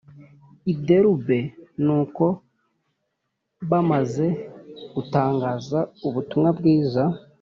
i Derube Nuko bamaze gutangaza ubutumwa bwiza